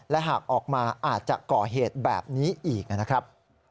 และหากออกมาอาจจะก่อเหตุแบบนี้อีกนะครับ